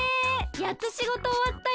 やっとしごとおわったよ。